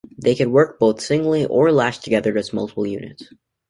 They could work both singly or lashed together as multiple units.